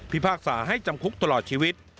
พากษาให้จำคุกตลอดชีวิต